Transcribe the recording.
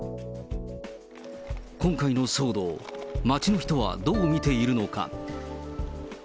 今回の騒動、街の人はどう見ているのか。